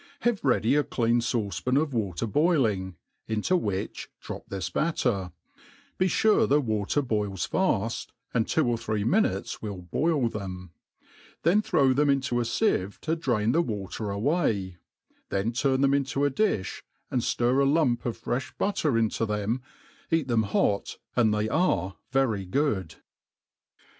Have ready a dean fauce pan of water boilings intd ilrhich drop this bitteh Be fure the water btfils fail, aUd tWd br three minutes Will boil theoi ; then throw them iiito a flevd to draih the water away | then turn thent into a difli, and ftil^ a lump of fre(h biitteir into tbedl | eat theih hot, and they aft^ Very good.